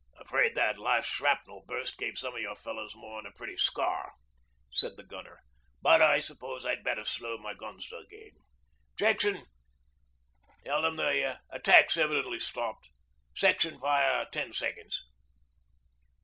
'Afraid that last shrapnel burst gave some of your fellows more'n a pretty scar,' said the gunner. 'But I suppose I'd better slow my guns up again. ... Jackson, tell them the attack's evidently stopped section fire ten seconds.'